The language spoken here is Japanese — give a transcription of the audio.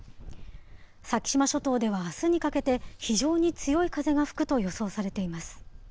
先島諸島ではあすにかけて、非常に強い風が吹くと予想されています。